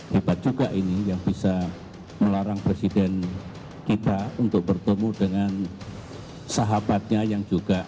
hebat juga ini yang bisa melarang presiden kita untuk bertemu dengan sahabatnya yang juga